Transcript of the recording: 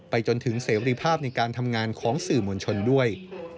จนถึงเสรีภาพในการทำงานของสื่อมวลชนด้วย